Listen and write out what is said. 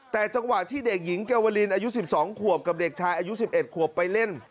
แต่จังหวะที่เด็กหญิงเกวลินอายุ๑๒ขวบกับเด็กชายอายุ๑๑ขวบไปเล่น